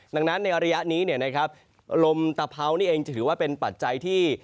ดังนั้นในระยะนี้ลมตะเพรานี่เองจะถือว่าเป็นปัจจัยที่